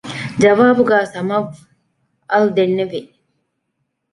ޖަވާބުގައި ސަމަވްއަލް ދެންނެވި